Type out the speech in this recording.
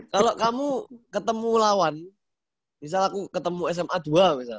kalau kamu ketemu lawan misal aku ketemu sma dua misal